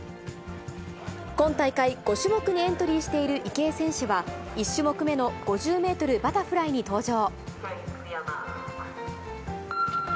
今大会、５種目にエントリーしている池江選手は、１種目目の５０メートルバタフライに登場。